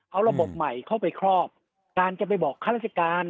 เอาระบบใหม่เข้าไปครอบการจะไปบอกข้าราชการ